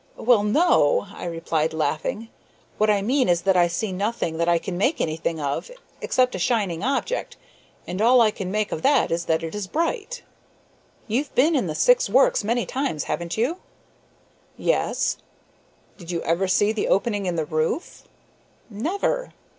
"Well, no," I replied, laughing. "What I mean is that I see nothing that I can make anything of except a shining object, and all I can make of that is that it is bright." "You've been in the Syx works many times, haven't you?" "Yes." "Did you ever see the opening in the roof?" "Never."